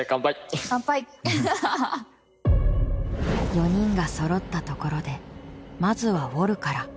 ４人がそろったところでまずはウォルから。